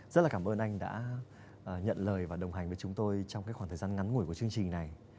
rất là cảm ơn anh đã nhận lời và đồng hành với chúng tôi trong khoảng thời gian ngắn ngủi của chương trình này